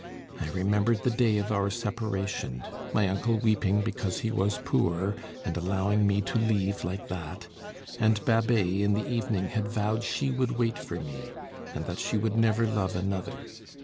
I remembered the day of our separation; my uncle weeping because he was poor, and allowing me to leave like that, and Babet, in the evening, had vowed she would wait for me, and that she would never love another.